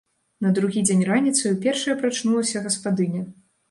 На другі дзень раніцаю першая прачнулася гаспадыня.